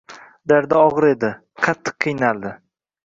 Dardi ogʻir edi, qattiq qiynaldi.